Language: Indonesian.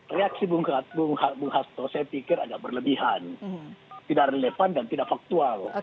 reaksi bung bung hasto saya pikir agak berlebihan tidak relevan dan tidak faktual